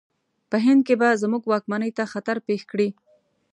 په هند کې به زموږ واکمنۍ ته خطر پېښ کړي.